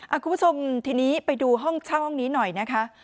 คุณผู้ชมทีนี้ไปดูห้องเช่าห้องนี้หน่อยนะคะ